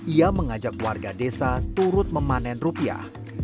ia mengajak warga desa turut memanen rupiah